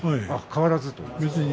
変わらずに？